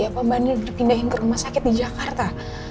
apa bu andien dipindahin ke rumah sakit di jakarta